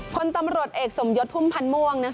คนตำรวจเอกสมยดพุ่มพันม่วงนะคะ